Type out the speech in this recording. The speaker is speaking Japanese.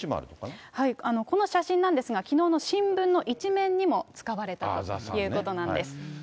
この写真なんですが、きのうの新聞の１面にも使われたということなんです。